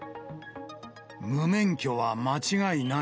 無免許は間違いない。